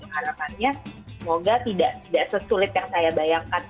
harapannya semoga tidak sesulit yang saya bayangkan